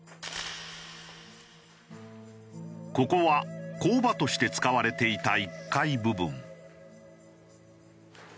ここは工場として使われていた１階部分。